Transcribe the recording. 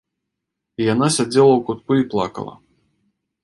Яна сядзела ў кутку і плакала.